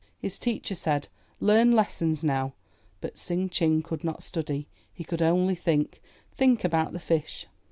His teacher said, ''Learn lessons now." But Tsing Ching could not study; he could only think, think about the fish.